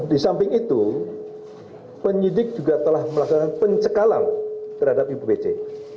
di samping itu penyidik juga telah melakukan pencekalan terhadap ibu pc